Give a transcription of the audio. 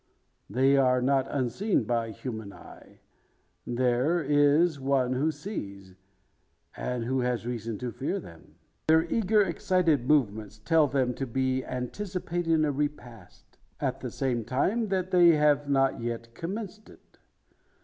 They are not unseen by human eye. There is one sees one who has reason to fear them. Their eager excited movements tell them to be anticipating a repast; at the same time, that they have not yet commenced it.